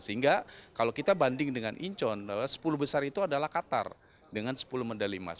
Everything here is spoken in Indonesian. sehingga kalau kita banding dengan incheon sepuluh besar itu adalah qatar dengan sepuluh medali emas